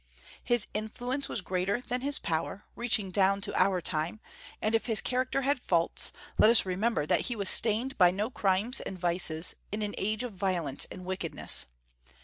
His influence was greater than his power, reaching down to our time; and if his character had faults, let us remember that he was stained by no crimes and vices, in an age of violence and wickedness.